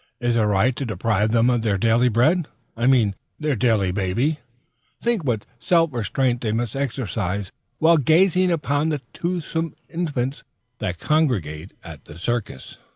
Is it right to deprive them of their daily bread, I mean their daily baby? Think what self restraint they must exercise while gazing upon the toothsome infants that congregate at the circus!